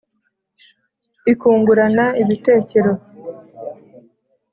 i kungurana ibitekero